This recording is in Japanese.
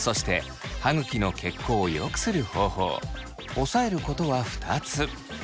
押さえることは２つ。